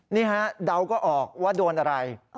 นี่ฮะเดาก็ออกว่าโดนอะไร